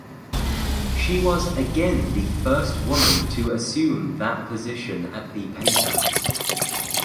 She was again the first woman to assume that position at the paper.